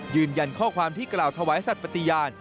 ยืนยันข้อความที่กล่าวถวายสัตว์ปฏิญาณ